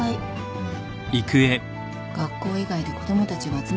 うん？